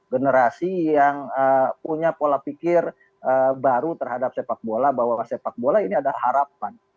generasi yang punya pola pikir baru terhadap sepak bola bahwa sepak bola ini ada harapan